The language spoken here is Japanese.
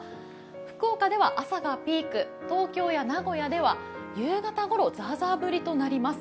福岡では朝がピーク、東京や名古屋では夕方ごろ、ざーざー降りとなります。